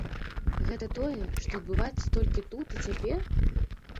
Гэта тое, што адбываецца толькі тут і цяпер?